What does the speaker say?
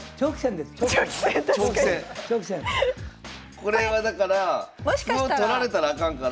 これはだから歩を取られたらあかんから。